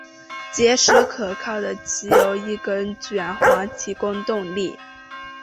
结实可靠的藉由一根卷簧提供动力。